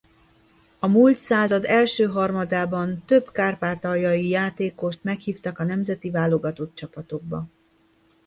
A múlt század első harmadában több kárpátaljai játékost meghívtak a nemzeti válogatott csapatokba.